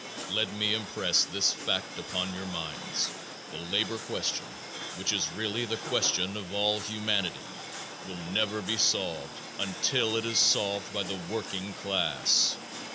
Let me impress this fact upon your minds: the labor question, which is really the question of all humanity, will never be solved until it is solved by the working class.